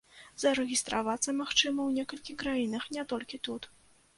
Зарэгістравацца, магчыма, у некалькіх краінах, не толькі тут.